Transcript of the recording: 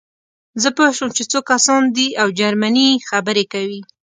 زه پوه شوم چې څو کسان دي او جرمني خبرې کوي